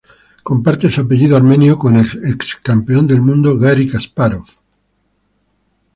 Comparte su apellido armenio con el excampeón del mundo Gari Kaspárov.